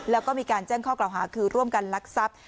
แล้วก็มีการแจ้งข้อกล่าวหาคือร่วมกันลักทรัพย์